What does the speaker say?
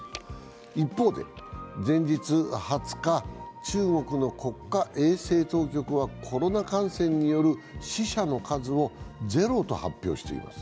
一方で、前日２０日、中国の国家衛生当局は、コロナ感染による死者の数をゼロと発表しています。